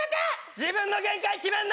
自分の限界決めんな！